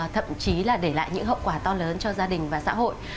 thậm chí là để lại những hậu quả to lớn cho gia đình và xã hội